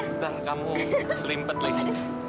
bentar kamu selimpet lagi